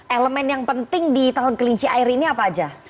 elemen yang penting di tahun kelinci air ini apa aja